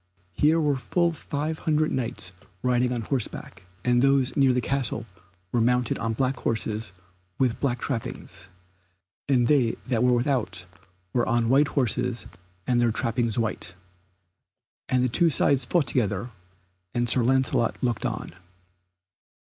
Here were full five hundred Knights riding on horseback, and those near the castle were mounted on black horses with black trappings, and they that were without were on white horses and their trappings white. And the two sides fought together, and Sir Lancelot looked on.